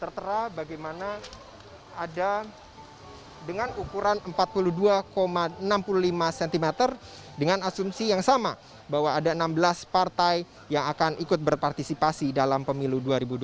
tertera bagaimana ada dengan ukuran empat puluh dua enam puluh lima cm dengan asumsi yang sama bahwa ada enam belas partai yang akan ikut berpartisipasi dalam pemilu dua ribu dua puluh